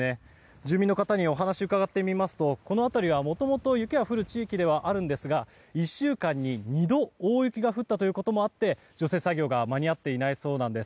住民の方にお話を伺ってみますとこの辺りはもともと雪が降る地域ではあるんですが１週間に２度大雪が降ったこともあって除雪作業が間に合っていないそうなんです。